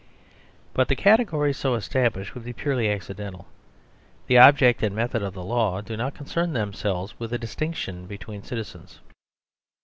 But the category so established would be purely accidental. The object and method of the law do not concern themselves with a distinction between citizens.